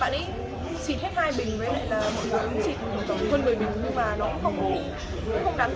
bạn ấy xịt hết hai bình với lại là mỗi người cũng xịt một tầng hơn một mươi bình